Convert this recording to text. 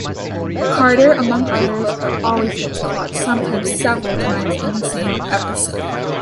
Carter, among others, but always gets caught, sometimes several times in the same episode.